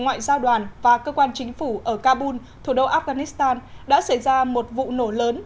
ngoại giao đoàn và cơ quan chính phủ ở kabul thủ đô afghanistan đã xảy ra một vụ nổ lớn